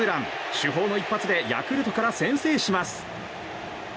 主砲の一発でヤクルトから先制します。